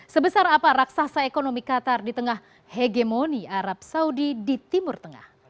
sebesar apa raksasa ekonomi qatar di tengah hegemoni arab saudi di timur tengah